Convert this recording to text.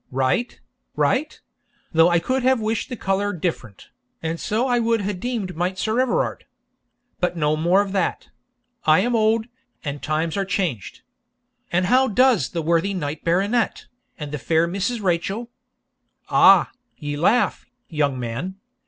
Right, right; though I could have wished the colour different, and so I would ha' deemed might Sir Everard. But no more of that; I am old, and times are changed. And how does the worthy knight baronet, and the fair Mrs. Rachel? Ah, ye laugh, young man!